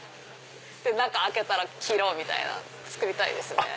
中開けたら黄色！みたいな作りたいですね。